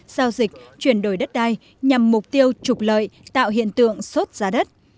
giao dịch chuyển đổi đất đai nhằm mục tiêu trục lợi tạo hiện tượng sốt giá đất